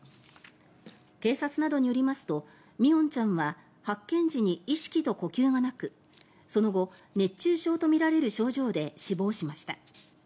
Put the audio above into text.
警察などによりますと三櫻音ちゃんは発見時に意識と呼吸がなくその後、熱中症とみられる症状で死亡しました。